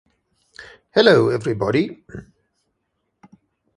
Hello everybody.